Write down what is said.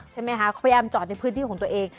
ใช่ไหมคะเขาพยายามจอดในพื้นที่ของตัวเอง